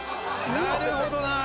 なるほどなぁ！